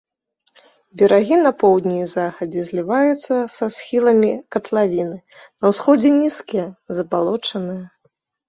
Берагі на поўдні і захадзе зліваюцца са схіламі катлавіны, на ўсходзе нізкія, забалочаныя.